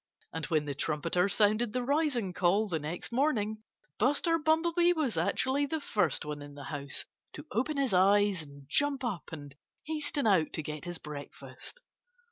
And when the trumpeter sounded the rising call the next morning Buster Bumblebee was actually the first one in the house to open his eyes and jump up and hasten out to get his breakfast.